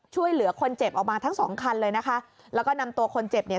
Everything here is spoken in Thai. ช่วยเหลือคนเจ็บออกมาทั้งสองคันเลยนะคะแล้วก็นำตัวคนเจ็บเนี่ย